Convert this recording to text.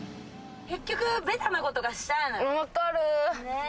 結局ベタなことがしたいのよ。